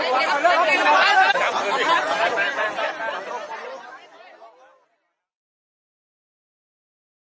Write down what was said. สวัสดีสวัสดีครับ